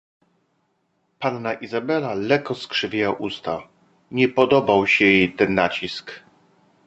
"Panna Izabela lekko skrzywiła usta; nie podobał jej się ten nacisk."